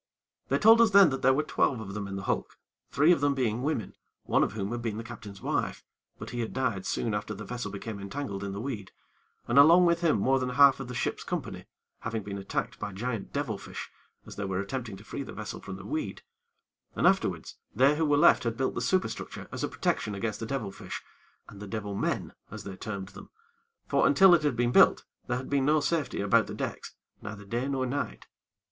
They told us then that there were twelve of them in the hulk, three of them being women, one of whom had been the captain's wife; but he had died soon after the vessel became entangled in the weed, and along with him more than half of the ship's company, having been attacked by giant devil fish, as they were attempting to free the vessel from the weed, and afterwards they who were left had built the superstructure as a protection against the devil fish, and the devil men, as they termed them; for, until it had been built, there had been no safety about the decks, neither day nor night.